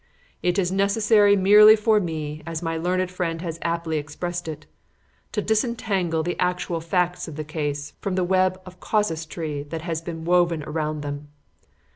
It is necessary merely for me, as my learned friend has aptly expressed it, to disentangle the actual facts of the case from the web of casuistry that has been woven around them.